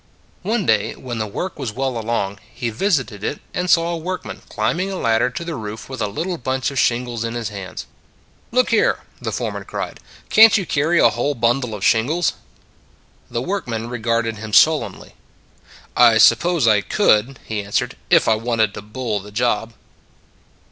One day when the work was well along, he visited it, and saw a workman climbing a ladder to the roof with a little bunch of shingles in his hands. " Look here," the foreman cried, " can t you carry a whole bundle of shingles? " The workman regarded him sullenly. " I suppose I could," he answered, " if I wanted to bull the job."